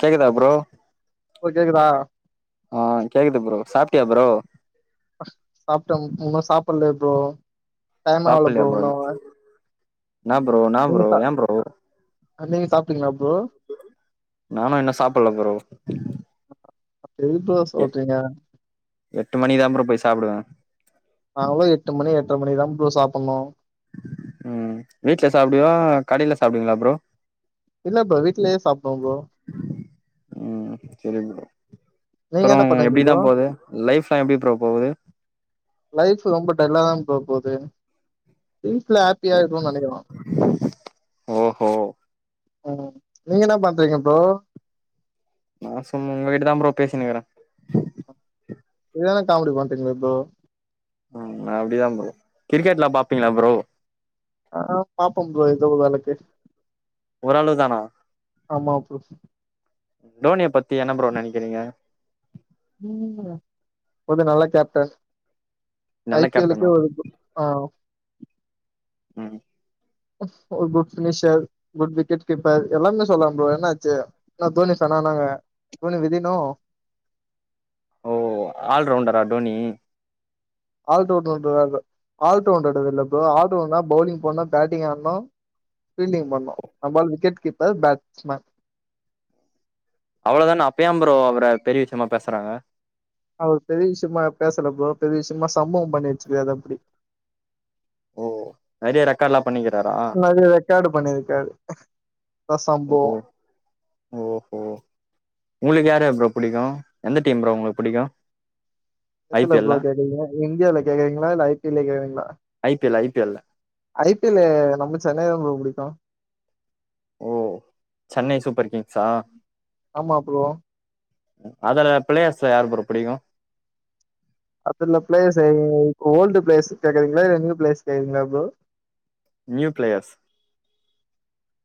கேக்குதா ப்ரோ இப்போ கேக்குதா ஆ கேக்குது ப்ரோ சாப்ட்டியா ப்ரோ சாப்ட்ட உம்வுன்னோ சாப்புட்ல ப்ரோ டைமவ்ல ப்ரோவுன்னோவ நாப்ரோ நாப்ரோ ஏம்ப்ரோ நீங்க சாப்டீங்ளா ப்ரோ நானு இன்னு சாப்புட்ல ப்ரோ எது ப்ரோ சொல்றீங்க எட்டு மணிக்கு தாப்ரோ போய் சாப்டுவே நாங்களு எட்டு மணி எட்ர மணிக்கு தா ப்ரோ சாப்புட்னு உம் வீட்ல சாப்டுவியா கடைல சாப்டுவீங்ளா ப்ரோ இல்ல ப்ரோ வீட்லயே சாபிடுவ ப்ரோ உம் செரி ப்ரோ நீங்க அப்றோ என்ன பண்ணுவீங்க எப்டிதா ப்ரோ போது லைஃப்லா எப்டி ப்ரோ போவுது லைஃப்பு ரொம்ப டல்ல தா ப்ரோ போது லைபுல ஹப்பியா இருக்னுன்னு நெனக்கிறோ ஓஹோ அ நீங்க என்ன பண்றீங்க ப்ரோ நா சும் உங்ககிட்ட தா ப்ரோ பேசினிக்ற செரியான காமொடி பண்டீங்ளே ப்ரோ அ அப்படிதா ப்ரோ கிரிக்கெட்லா பாப்பீங்களா ப்ரோ ஆ பாப்போ ப்ரோ ஏதோ ஓர் அளவுக்கு ஒரளவு தானா ஆமா ப்ரோ தோனிய பத்தி என்ன ப்ரோ நெனைக்கிறீங்க ஒரு நல்ல கேப்டன் ஐ நல்ல பி கேப்டனா எல்லுக்கே ஒரு ஆ ம் ஒரு good finisher good wicket keeper எல்லாமே சொல்லலா ப்ரோ என்னாச்சு ஆன தோனி சொன்னானங்க தோனி விதினு ஓ ஆல்ரவுண்டரா டோனி ஆல்டவு ஆட்வுண்ட [unintelligible] இல்ல ப்ரோ ஆல் ரவுண்டர்னா பவுலிங் போடன்னு பேட்டிங் ஆடணு பீல்டிங் பண்ணோ நம்ம ஆள் விக்கெட் கீப்பர் பேட்ஸ்மேன் அவ்ளோ தான அப்பயே ப்ரோ அவர பெரிய விஷயமா பேசுறாங்க அவர் பெரிய விஷயமா பேசல ப்ரோ பெரிய விஷயமா சம்பவம் பண்ணி வச்சிக்கிறாரு அப்டி ஓ நெறைய ரெக்கார்ட்லா பண்ணிக்கிறாரா நெறைய ரெக்கார்டு பண்ணியிருக்காரு சம்பவோ ஓ ஓ உங்களுக்கு யார் யார் ப்ரோ பிடிக்கு எந்த டீம் ப்ரோ உங்களுக்கு புடிக்கு ஐ எதுல பி எல்ல ப்ரோ கேட்டீங்க இந்தியாலா கேக்குறீங்களா இல்ல ஐ பி எல்ல கேக்குறீங்களா I P L I P L ல ஐ பி எல்லு நம்ம சென்னை த ப்ரோ புடிக்கு ஓ சென்னை சூப்பர் கிங்ஸா ஆமா ப்ரோ அதுல பிளேயர்ஸ் யாரு ப்ரோ பிடிக்கு அதுல பிளேயர்ஸ் ஓல்டு பிளேயர்ஸ் கேக்குரிங்களா இல்ல நியூ பிளேயர்ஸ் கேக்குரிங்களா ப்ரோ நியூ பிளேயர்ஸ்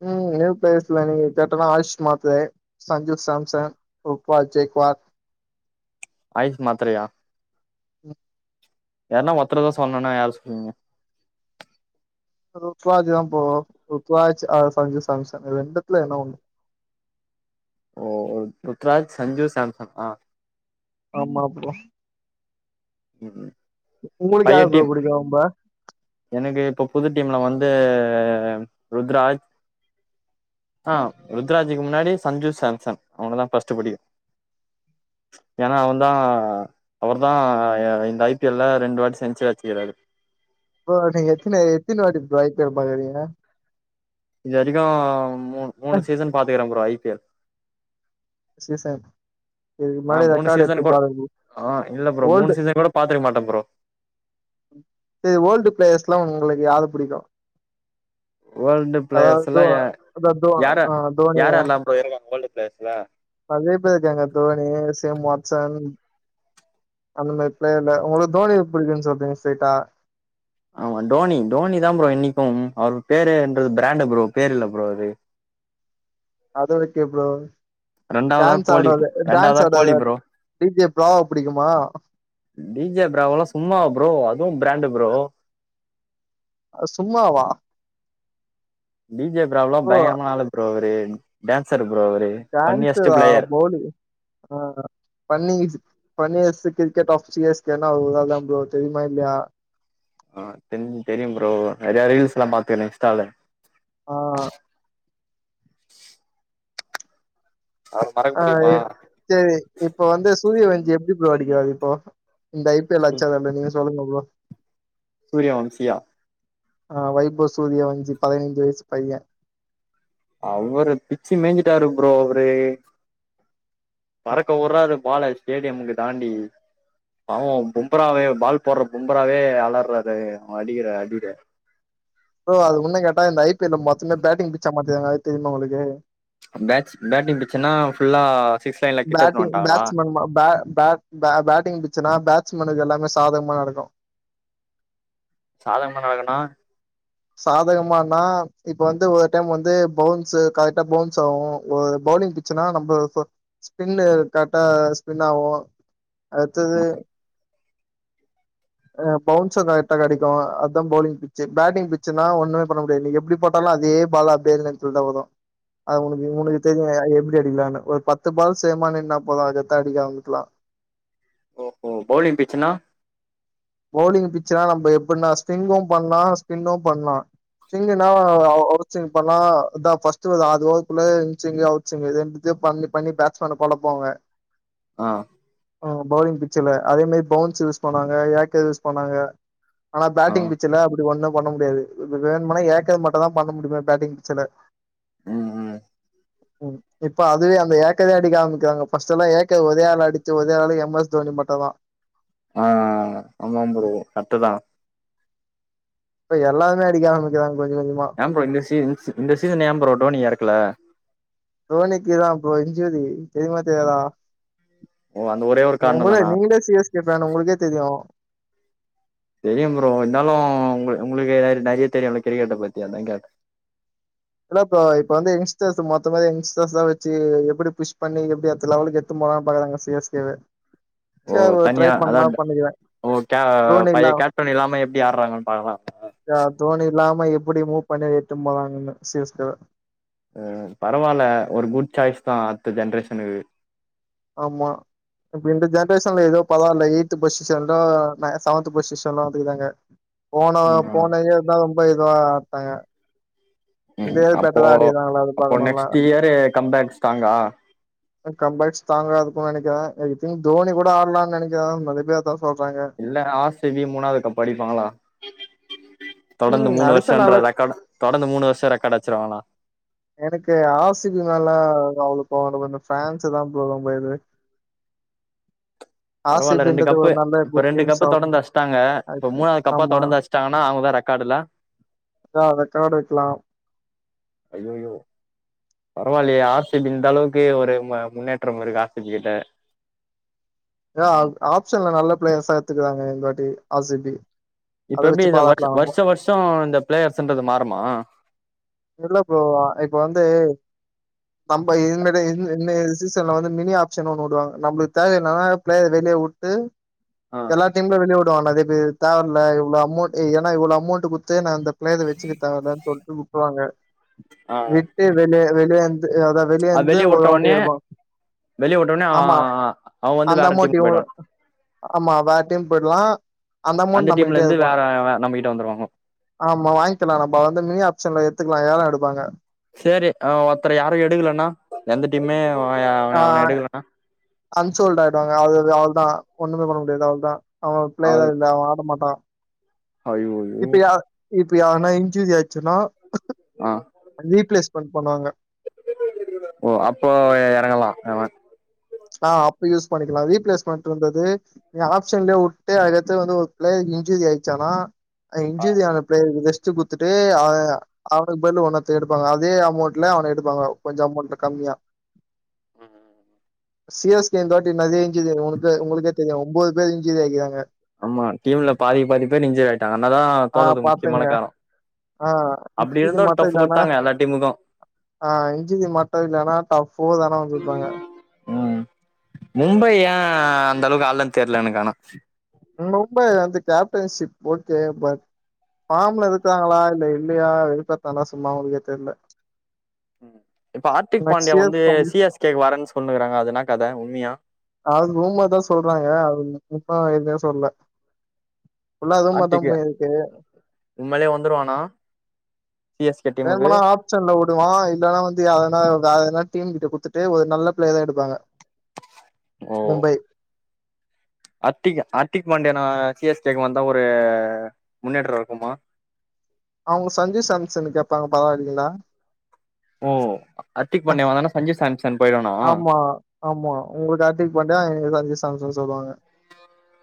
ம் நியூ பிளேயர்ஸ்ல நீங்க கட்டனா ஆயிஷ் மாத்து சஞ்சு சாம்சன் உவால் ஜெக்வார் ஆயிஸ் மாத்திரையா யாருன்னா ஒர்த்தரதா சொல்லும்ன்னா யார் சொல்வீங்க ருத்துவாஜ் தா போகனு ருத்துவாஜ் சஞ்சு சாம்சன் ரெண்டுத்துல எண்ணோ ஒன்னு ஓ ருத்ராஜ் சஞ்சு சாம்சன் ஆ ஆமா ப்ரோ ம் உங்களுக்கு யார ப்ரோ புடிக்கு ரொம்ப எனக்கு இப்ப புது டீம்ல வந்து ருத்ராஜ் ஆ ருத்ராஜிக்கு முன்னாடி சஞ்சு சாம்சன் அவங்களதா ஃபர்ஸ்ட்டு பிடிக்கு ஏன்னா அவந்தா அவர்தா இந்த ஐ பி எல் ல ரெண்டு வாட்டி செஞ்சுரீ அடிச்சுக்கறாரு ப்ரோ நீங்க எத்தின எத்தின வாட்டி ப்ரோ ஐ பி எல் பாக்கறீங்க இதுவரைக்கு மூ மூணு சீசன் பாத்துக்கற bro I P L season இதுக்கு ஆ முன்னாடி மூணு ரெக்கார்டு எடுத்து சீசன்கு பாருங்க ஆ இல்ல ப்ரோ மூணு ஓல்டு சீசன்கு பாத்திருக்க மாட்ட ப்ரோ சரி ஓல்டு பிளேர்ஸ்ல்லா உங்களுக்கு யார புடிக்கு ஓல்டு அதாவது ப்ளேயர்ஸ் தோ அ அதா தோ யார ஆ தோனிய யார எல்லா ப்ரோ இருங்க ஓல்டு ப்ளேயர்ஸ் ல நெறைய பேர் இருக்காங்க தோனி சேம் வாட்சன் அந்த மாரி ப்ளேயர்ல உங்களுக்கு தோனி பிடிக்குனு சொல்றீங்க சேட்டா ஆமா டோனி டோனி தா ப்ரோ இன்னிக்கும் அவரு பேருன்றது ப்ரண்டடு ப்ரோ பேரு இல ப்ரோ அது அத விட்டியே ப்ரோ ரெண்டாவதா டன்ஸ் கோலி ஆட்றது டன்ஸ் ரெண்டாவதா கோலி ஆடது ப்ரோ டி ஜே ப்ராவோ பிடிக்குமா டி ஜே ப்ராவோளா சும்மா ப்ரோ அதுவு ப்ராண்டு ப்ரோ அ சும்மாவா டி ஜே ப்ராவோலா ப்ரோ பய்ங்கரமா ஆளு ப்ரோ அவரு டன்சர் ப்ரோ அவரு ஃபண்ணியஸ்ட் ப்ளேயர் போடு ஆ funny funniest cricket of C S K னா அவரு ஒரு ஆள் தா ப்ரோ தெரியுமா இல்லையா ஆ தெரிஞ் தெரியு ப்ரோ நறைய ரீல்ஸ்லா பாத்தனே இன்ஸ்டால ஆ அவர மறக்க ஆ முடியுமா சேரி இப்போ வந்து சூரிய வஞ்சி எப்டி ப்ரோ அடிக்கிறாரு இப்போ இந்த ஐ பி எல் ல அச்சாரா எப்டி நீங்க சொல்லுங்க ப்ரோ சூரியா வம்சியா ஆ வைபவ் சூரியா வஞ்சி பதினஞ்சு வயசு பைய அவரு பிச்சி மேஞ்சிட்டாரு ப்ரோ அவரு பறக்க உட்றாரு பால ஸ்டேடியமுக்கு தாண்டி பாவோ பும்பராவே பால் போட்ற பும்பராவே அளர்றாரு அவ அடிக்கிற அடில ப்ரோ அது உண்னு கேட்டா இந்த ஐ பிஎல் ல மொத்தமே பட்டிங் பிச்ச மாத்திகாங்க அது தெரிமா உங்ளுக்கு பேட்ஸ் பட்டிங் பிச்சுன்னா ஃபுல்லா சிக்ஸ் லைன்ல கிட்ட எடுத்துனு பட்டிங் வன்ட்டாங்களா பட்ஸ்மன் ம ப ப ப பட்டிங் பிச்சுனா பட்ஸ்மேனுக்கு எல்லாமே சாதகமா நடக்கு சாதகமா நடக்குன்னா சாதகமானா இப்ப வந்து ஒரு டைம் வந்து பௌன்ஸ் கரெக்ட்டா பௌன்ஸ் ஆவு பௌலிங் சுன்னா நம்ம சோ ஸ்பின்னு கரெக்டா ஸ்பின் ஆவு அடுத்தது அ பௌவுன்ஸு கரெக்டா கடைக்கு அதா பௌலிங் பிச்சு பட்டிங் பிச்சுன்னா ஒண்ணுமே பண்ண முடியாது நீங்க எப்டி போட்டாலு அதே பால் அப்டியே [unintelligible] ல தா வரு அது உனக்கு உனக்கு தெரியு எப்டி அடிக்லான்னு ஒரு பத்து பால் சேமா நின்னா போது அது கெத்தா அடிக்லா அவுங்குளுக்ல்ல ஓ ஓ பௌலிங் பிச்னா பௌலிங் பிச்னா நம்ம எப்புட்ன்னா ஸ்பிங்கு பண்லா ஸ்பின்னு பண்லா சிங்குனா அவ சிங் பண்லா இத ஃபஸ்ட்டு அதுவுக்குள்ளயே சிங் சிங் இது ரெண்டுத்தியு பண்ணி பண்ணி பேட்ஸ்மேன கொலப்பு வாங்க ஆ ஆ பவ்லிங் பிச்சுல அதே மாரி பவுன்ஸ் யூஸ் பண்ணாங்க ஏக்கர் யூஸ் பண்ணாங்க அனா ஆ பேட்டிங் பிச்சு லாபு ஒண்ணு பண்ண முடியாது இது வேணுமானா ஏக்கர் மட்டுதா பண்ண முடியு பேட்டிங் பிச்சல ம் ம் ம் இப்ப அதுவே அந்த ஏக்கரே அடி காமிக்றாங்க ஃபஸ்ட்டல்லா ஏக்க ஒரே ஆள அடிச்ச ஒரே ஆள் எம் எஸ் தோனி மட்டுதா ஆ ஆமா ப்ரோ கர்ட்டு தா இப்ப எல்லாருமே அடிக்க ஆரம்பிக்குராங் கொஞ்சு கொஞ்சுமா ஏ ப்ரோ இந்த ஸீன் ஸு இந்த ஸீஸன் ஏ ப்ரோ டோனி யரக்கல தோனிக்குதா ப்ரோ இஞ்சூரி தெரியுமா தெரியாதா ஓ அந்த ஒரே ஒரு உங்கள காரணந்தானா நீங்களே சி எஸ் கே ஃபேன்னு உங்ளுக்கே தெரியு தெரியு ப்ரோ இந்தாலு உங்ளு உங்ளுக்கேர் நெறைய தெரியுல கிரிக்கெட்ட பத்தி அத்தா கேட்ட இல்ல ப்ரோ இப்ப வந்து எங்ஸ்டர்ஸ்ஸ மொத்தமா எங்ஸ்டர்ஸ்தா வெச்சு எப்டி புஷ் பண்ணி எப்டி அத்த லவலுக்கேத் த்துமா பாக்கறாங்க சி எஸ் கேவ ஓ தன்யா அதாட்ட பண்ணிக்கிறே ஓ க்யா தோனி பைய இல்லா கேப்டன் இல்லாம எப்டி ஆட்றாங்கன் பாகலா யா தோணி இல்லாம எப்டி மூவ் பண்ணி எதாதுன் போலானுன்னே சி எஸ் கேவ அ பரவால்ல ஒரு குட் ச்சாய்ஸ்தா அத்த ஜென்ரேஷ்ஷனுக்கு ஆமா இப்ப இந்த ஜென்ரேஷன்ல ஏதோ பரவால்ல எய்த் பஷ்ஷு சென்றோ நா ஏ சவன்த் பொஷிஷன்லா வந்துகுக்காங்க போன ம் போன இயர் தா ரொம்ப இதுவா ஆட்டாங்க இந்த ம் இயர் அப்போ பெட்டரா ஆடிறாங்களா அது அப்போ பாக்கணும்ல நெக்ஸ்ட் இயரு கம்பேக் ஸ்டாங்கா அ கம் பேக் ஸ்டாங்க இருக்கு நெனைக்கிறே எதுக்குன் தோனி கூட ஆட்லான் நெனைக்கிறே நறை பே அதா சொல்றாங்க இல்ல ஆர் சி பீ முணாவ்து கப் அடிப்பாங்களா தொடந்து ம். மூணு அடிச்சா நல்ல வர்ஷன்ற ரெக்காடு தொடந்து மூணு வர்ஷோ ரெக்காட் அச்சிடுவாங்கனா எனக்கு ஆர் சி பி மேல அவ்லோ போ [inaudible] ஃபான்ஸு தா போலும் போய்து [inaudible] பரவால்ல ரெண்டு ஆர்சிபின்றது கப்பு ஒரு நல்ல இப்ப குட் ரெண்டு டீம்ஸ் கப்பு ஆஃப் தொடந்து அடிச்ட்டாங்க இப்ப மூணாவ்து கப்பா ஆமா. தொடந்து ஆச் ட்டாங்கனா அவ்ங்க ரெக்காடுல ரா ரெக்காட் வக்லா அய்யய்யோ பரவால்லயே ஆர் சி பி இந்தளவுக்கே ஒரு ம முன்னேற்றம் இருக்கா ஆர் சி பி கிட்ட தாக் ஆப்ஷன்ல நல்ல ப்ளேயர்ஸா எத்துக்கறாங்க இந்த வாட்டி ஆர் சி பி இப்ப எப்டி இந்த வர்ஷ வர்ஷ வர்ஷோ இந்த ப்ளேயர்ஸன்றது மாறுமா இல்ல ப்ரோ ஆ இப்ப வந்து நம்ப இது மேட இன் இன்ன எது சீசன்ல வந்து மினி ஆப்ஷன் ஒண்ணு வுடுவாங்க நம்ளுக் தேவையின்னனா ப்ளேயர் வெளிய வுட்டு அ அ தீம்ல வெளிய வுடுவாங்ல அதே மதி தேவயில்ல இவ்ளோ அமோண்ட் ஏன்னா இவ்ளோ அமௌண்ட்ட குத்து நா அந்தப் மேல வச்சிக்கி தேவை இல்லன் சொல்ட்டு உட்றுவாங்க ஆ. விட்டு வெளிய வெளியேந்து அதன் அது வெளியெந்து வெளியே ஒரு விட்ட வாட்டி உடனே எடுப்பான் வெளியே விட்டொட்னே ஆ அவ் வந்து அந்த வேற அமௌண்ட் டீம் இவங்க போய்டுவான் ஆமா வேற் டீம் போய்ட்லா அந்த அமௌண் டீம்ல நம்மகிட்டே இருந்து இப்பா வேற வே- நம்ம கிட்ட வந்துருவாங்க ஆமா வாய்ன்க்கலா நம்ப வந்து மினி ஆப்ஷன்ல எத்துக்கலா ஏல எடுப்பாங்க சரி அ ஒத்தர யாரு எடுகுலன்னா எந்த டீமே அவனை ஆ அவனை எடுக்கலன்னா அன்சோல்ட் ஆயிடுவாங்க அது அது அவ்ளோதா ஒண்ணுமே பண்ண முடியாது அவ்ளோதா அவே பிளேயரா இல்ல அவே ஆட மாட்டா அய்யய் இப்பயா இப்பி யார்னா இஞ்சூரியாச்சுனா அ ரீப்பிளேஸ்மெண்ட் பண்ணுவாங்க ஓ அப்போ எறங்கலா எவே அ அப்ப யூஸ் பண்ணிக்கலா ரீப்பிளேஸ்மெண்ட் இருந்தது நீ ஆப்ஷன்லயே வுட்டு அடுத்து வந்து ஒரு பிளேயர் இன்ஜுரி ஆயிச்சானா அ இன்சூரியான பிளேயருக்கு ரெஸ்ட்டு குடுத்துட்டு ஆ ய அவனுக்கு பதிலு ஒன்னொருத்தய எடுப்பாங்க அதே அமௌண்ட்ல அவன எடுப்பாங்க கொஞ்சோ அமௌண்ட்டு கம்மியா சி எஸ் கே இந்தவாட்டி நெறைய இஞ்சுரி உங்களுக்கு உங்களுக்கே தெரியு ஒம்போது பேர் இஞ்சுரி ஆயிக்கிறாங்க ஆமா டீம்ல பாதிக்கு பாதி பேர் இன்சூரி ஆயிட்டாங்க அதனால தா ஆ தோத்தது பாத்துங்க முக்கியமான காரோ ஆ அப்டி இருந்து டஃப் குடுத்தாங்க எல்லா டீமுக்கு அ இஞ்சூரி மட்டு இல்லனா டஃப் ஓ தானா குடுத்துப்பாங்க ம் மும்பை ஏ அந்த அளவுக்கு ஆடலனு தெர்ல எனக்கு ஆனா மும்பை வந்து கேப்டன்ஷிப் ஓகே பட் ஃபாம்ல இருக்காங்களா இல்ல இல்லையா வெறுப்பேத்தாலு சும்மா அவுங்களுக்கே தெர்ல ம் இப்ப ஆர்த்திக் நெக்ஸ்ட் பாண்டியா இயர் வந்து கம் சி எஸ் கே க்கு வரேன்னு சொல்னுக்கிறாங்க அது என்னா கத உண்மியா அது ரூமர் தா சொல்றாங்க அது முப் முப்மா எதுமே சொல்லல ஃபுல்லா ரூமர் தா போயி ருக்கு உண்மைலே வந்துருவானா சிஎஸ்கே டீமுக்கு வேணுமனா ஆப் ஷன்ல வுடுவா இல்லனா வந்து எதனா வேற எதனா டீம் கிட்ட குடுத்துட்டு ஒரு நல்ல பிளேர்ரா எடுப்பாங்க [inaudible] மும்பை அர்த்திக் அர்த்திக் பாண்டியனா சி எஸ் கே க்கு வந்தா ஒரு முன்னேற்ற இருக்குமா அவுங்க சஞ்சுசாம்சனு கேப்பாங்க பரவால்லிங்ளா ஓ அர்த்திக்பாண்டியா வரான சஞ்சுசாம்சன் போய்டுவானா ஆமா ஆமா உங்களுக்கு அர்திக்பாண்டியா எங்களு சஞ்சுசாம்சன் சொல்லுவாங்க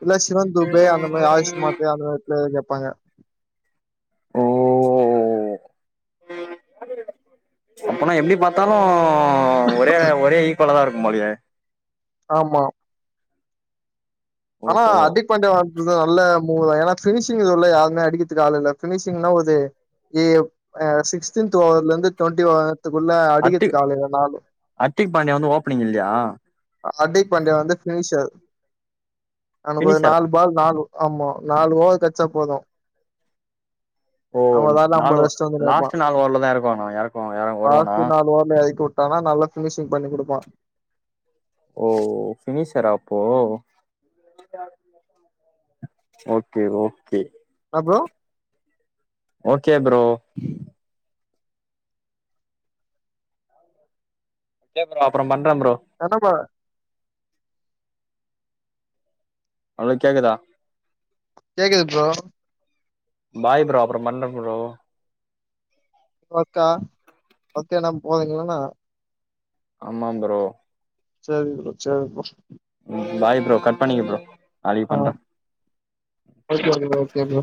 இல்ல சிவம்துபே அந்தமா ஆயுஷ்மாத்தே அந்தமா ப்ளேயர் கேப்பாங்க ஓ அப்பனா எப்டிபாத்தாலு ஒரே ஒரே ஈக்குவலதா இருக்கு போலயே ஆமா அனா ஓஹோ அர்திப் பாண்டியா வந்தது நல்ல மூவ்தா ஏனா ஃபினிஷிங் இதுஉல்ல யாருமே அடிக்கிறதுக்கு ஆளு இல்ல ஃபினிஷ்ங்னா உது யேப் அ சிக்ஸ்டீன்த் ஓவர்லருந்து ட்வென்டி ஓவத்துகுள்ள அடிக்கிறத்துக்கு ஆலு இல்ல நாலு அர்த்திக்பாண்டியா வந்து ஓப்னிங் இல்லியா அ அர்டிக்பாண்டியா வந்து ஃபினிஷர் அவனுக் ஒரு பினிஷரா நால் பால் நாலு ஆமா நாலு ஓவர்கெச்சா போது ஓ அவ வேல நாலு ஐம்பது அடிச்சிட்டு வந்து நிப்பா லாஸ்ட் நால்ஓவர்லதா எறக்குவாங்க எறக்குவா வருவானா ஆனா நல்ல ஃபினிஷிங் பண்ணிகுடுப்பா ஓ ஃபினிஷரா அப்போ ஓக்கே ஓக்கே அப்றோ ஓகே ப்ரோ ஓகே ப்ரோ அப்புறோ பண்ற ப்ரோ என்னமா ஹலோ கேக்குதா கேக்குது ப்ரோ பாய் ப்ரோ அப்புறம் பன்ற ப்ரோ ஒகே ஒகேனா [unintelligible] ஆமா ப்ரோ சேரி ப்ரோ சேரி ப்ரோ ம் பாய் ப்ரோ கட் பண்ணிக்ற ப்ரோ நாளைக்கு ஆ பண்ற ஓகே ப்ரோ ஓகே ப்ரோ